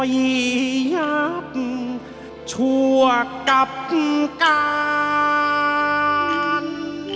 ยอยยับชัวร์กับการ